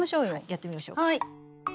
やってみましょうか。